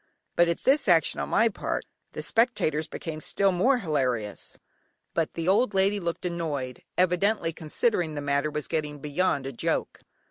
At this action on my part the spectators became still more hilarious, but the old lady looked annoyed, evidently considering the matter was getting beyond a joke.